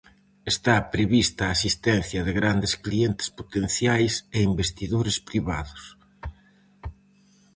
Está prevista a asistencia de grandes clientes potenciais e investidores privados.